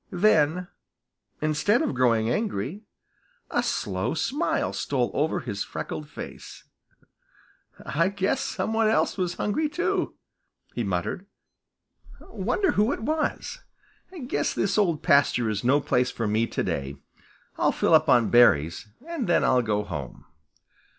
Then, instead of growing angry, a slow smile stole over his freckled face. "I guess some one else was hungry too," he muttered. "Wonder who it was? Guess this Old Pasture is no place for me to day. I'll fill up on berries and then I'll go home."